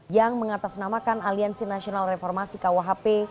yang mengatasnamakan aliansi nasional reformasi kuhp